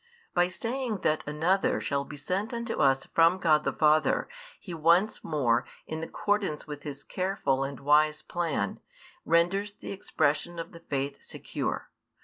By saying that "Another" shall be sent unto us from God the Father, He once more, in accordance with His careful and wise plan, renders the expression of the faith secure.